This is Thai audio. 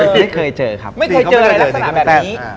ไม่เคยเจออะไรลักษณะแบบนี้